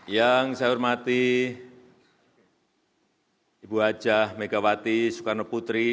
yang saya hormati ibu hj megawati soekarnoputri